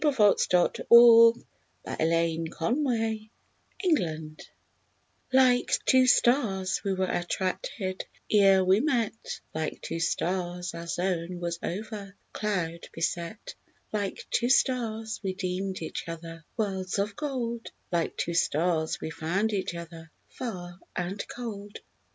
SONGS AND DREAMS Like Two Stars Like two stars we were attracted Ere we met; Like two stars our zone was ever Cloud beset. Like two stars we deemed each other Worlds of gold; Like two stars we found each other Far and cold.